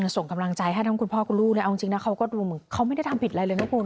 ส่งกำลังใจให้ทั้งคุณพ่อคุณลูกเลยเอาจริงนะเขาก็ดูเหมือนเขาไม่ได้ทำผิดอะไรเลยนะคุณ